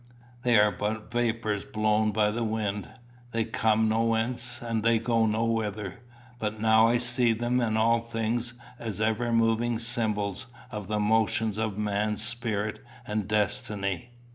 They are but vapours blown by the wind. They come nowhence, and they go nowhither. But now I see them and all things as ever moving symbols of the motions of man's spirit and destiny."